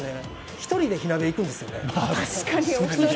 １人で火鍋行くんですよね。